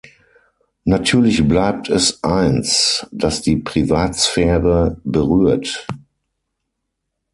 Natürlich bleibt es eins, das die Privatsphäre berührt.